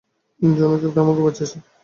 জানো ক্রিপ্টো আমাকে বাঁচিয়েছে?